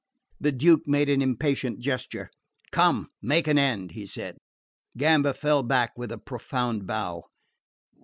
The Duke made an impatient gesture. "Come, make an end," he said. Gamba fell back with a profound bow.